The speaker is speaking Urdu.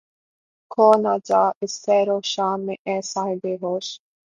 کھو نہ جا اس سحر و شام میں اے صاحب ہوش